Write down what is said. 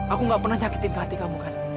aku gak pernah nyakitin ke hati kamu kan